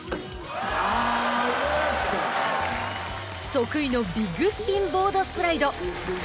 得意のビッグスピンボードスライド。